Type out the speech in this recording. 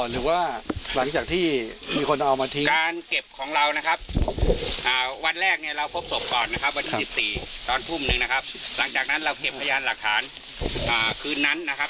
เราพบศพก่อนนะครับวันที่๑๔ตอนทุ่มหนึ่งนะครับหลังจากนั้นเราเก็บพยานหลักฐานคืนนั้นนะครับ